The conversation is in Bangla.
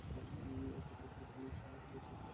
পিটার ফিঞ্চ এবং স্যালি হকিন্স একসাথে অভিনয় করেছেন।